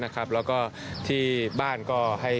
แล้วก็ที่บ้านก็ให้คนคอยดูไว้